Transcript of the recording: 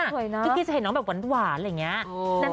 แข็งใจจะเห็นน้องวานอะไรแบบนี้